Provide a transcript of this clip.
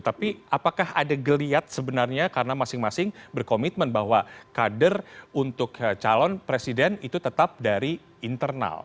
tapi apakah ada geliat sebenarnya karena masing masing berkomitmen bahwa kader untuk calon presiden itu tetap dari internal